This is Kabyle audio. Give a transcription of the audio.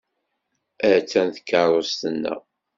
Attan tkeṛṛust-nneɣ.